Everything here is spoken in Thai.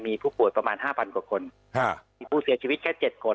มีผู้ป่วยประมาณ๕๐๐กว่าคนมีผู้เสียชีวิตแค่๗คน